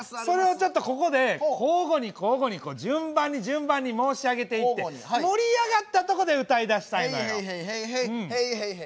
それをちょっと交互に順番に申し上げていって盛り上がったとこで歌いだしたいのよ。